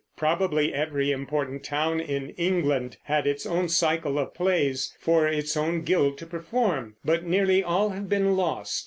Probably every important town in England had its own cycle of plays for its own guilds to perform, but nearly all have been lost.